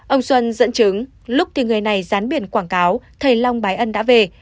ông xuân dẫn chứng lúc thì người này dán biển quảng cáo thầy long bái ân đã về